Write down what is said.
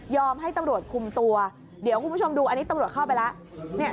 ให้ตำรวจคุมตัวเดี๋ยวคุณผู้ชมดูอันนี้ตำรวจเข้าไปแล้ว